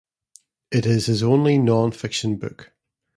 It is his only non-fiction book.